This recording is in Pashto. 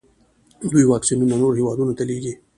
دوی واکسینونه نورو هیوادونو ته لیږي.